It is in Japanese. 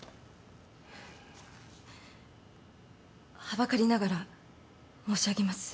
はばかりながら申し上げます。